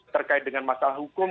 terkait dengan masalah hukum